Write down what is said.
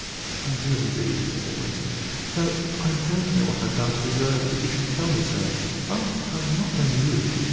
"I do, indeed," he said, wincing, "though I don't know what I've done to deserve that you should tell me so!" "Oh, I was not blaming you.